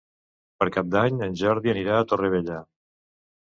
Per Cap d'Any en Jordi anirà a Torrevella.